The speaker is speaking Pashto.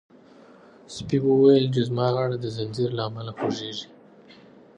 سپي وویل چې زما غاړه د زنځیر له امله خوږیږي.